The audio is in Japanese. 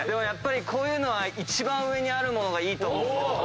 こういうのは一番上にあるものがいいと思う。